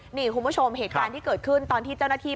หนึ่งคุณผู้ชมเนี่ยการทีเกิดขึ้นตอนที่เจ้าหน้าที